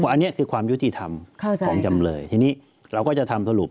อันนี้คือความยุติธรรมของจำเลยทีนี้เราก็จะทำสรุป